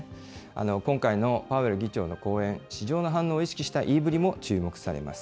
今回のパウエル議長の講演、市場の反応を意識した言いぶりも注目されます。